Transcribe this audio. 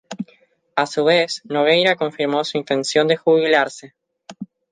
A su vez, Nogueira confirmó su intención de jubilarse.